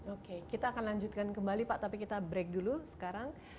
oke kita akan lanjutkan kembali pak tapi kita break dulu sekarang